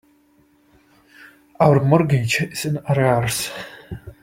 Our mortgage is in arrears.